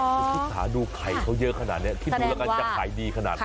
คุณชิสาดูไข่เขาเยอะขนาดนี้คิดดูแล้วกันจะขายดีขนาดไหน